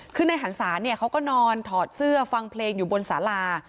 คือในหันศาเนี่ยเขาก็นอนถอดเสื้อฟังเพลงอยู่บนสารา